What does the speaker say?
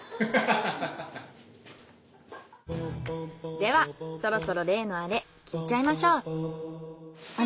ではそろそろ例のアレ聞いちゃいましょう。